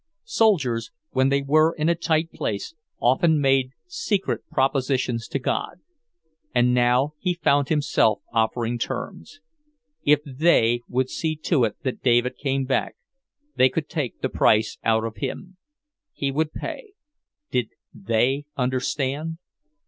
Soldiers, when they were in a tight place, often made secret propositions to God; and now he found himself offering terms: If They would see to it that David came back, They could take the price out of him. He would pay. Did They understand?